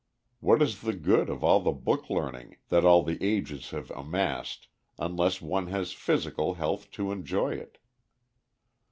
What is the good of all the book learning that all the ages have amassed unless one has physical health to enjoy it?